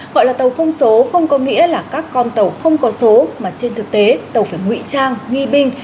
gọi là tàu không số không có nghĩa là các con tàu không có số mà trên thực tế tàu phải ngụy trang nghi binh